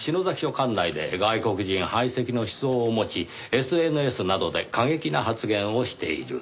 管内で外国人排斥の思想を持ちＳＮＳなどで過激な発言をしている。